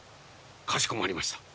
かしこまりました。